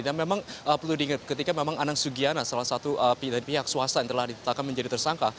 dan memang perlu diingat ketika memang anang sugiana salah satu pihak swasta yang telah ditetapkan menjadi tersangka